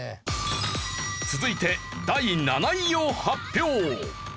続いて第７位を発表。